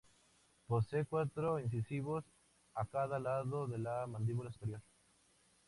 Poseen cuatro incisivos a cada lado de la mandíbula superior.